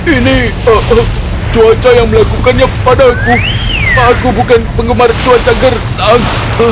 ini cuaca yang melakukannya padaku aku bukan penggemar cuaca gersang